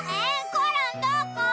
コロンどこ？